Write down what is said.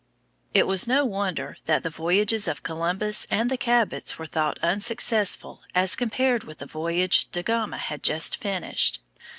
It was no wonder that the voyages of Columbus and the Cabots were thought unsuccessful as compared with the voyage Da Gama had just finished.